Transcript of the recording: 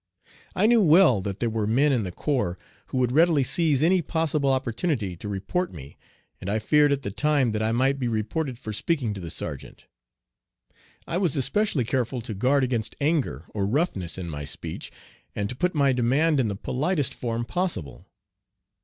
I knew well that there were men in the corps who would readily seize any possible opportunity to report me, and I feared at the time that I might be reported for speaking to the sergeant. I was especially careful to guard against anger or roughness in my speech, and to put my demand in the politest form possible.